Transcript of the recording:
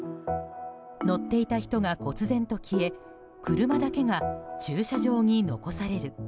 乗っていた人がこつぜんと消え車だけが駐車場に残される。